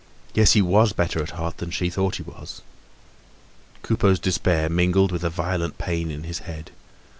Yes, he was better at heart than she thought he was. Coupeau's despair mingled with a violent pain in his head.